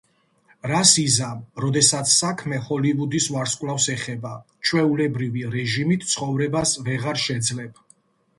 რას იზამ, როდესაც საქმე ჰოლივუდის ვარსკვლავს ეხება, ჩვეულებრივი რეჟიმით ცხოვრებას ვეღარ შეძლებ.